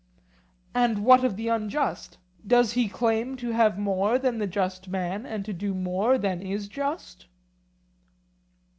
And what of the unjust—does he claim to have more than the just man and to do more than is just?